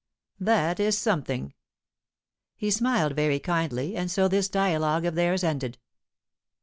"That is something." He smiled very kindly, and so this dialogue of theirs ended.